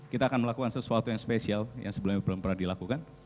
kita akan melakukan sesuatu yang spesial yang sebelumnya belum pernah dilakukan